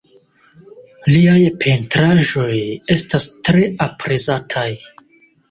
Liaj pentraĵoj estas tre aprezataj.